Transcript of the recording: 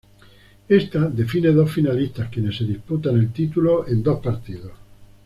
Ésta define dos finalistas, quienes se disputan el título en dos partidos.